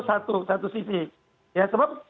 satu sisi ya sebab